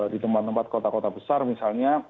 di tempat tempat kota kota besar misalnya